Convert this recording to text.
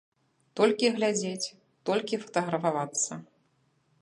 Толькі глядзець, толькі фатаграфавацца.